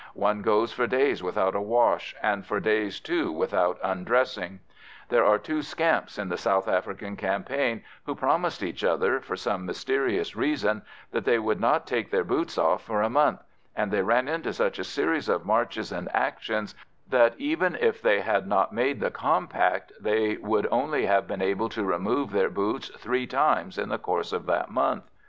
One goes for days without a wash, and for days, too, without undressing. There were two scamps in the South African campaign who promised each other, for some mysterious reason, that they would not take their boots off for a month, and they ran into such a series of marches and actions that, even if they had not made the compact, they would only have been able to remove their boots three times in the course of that month.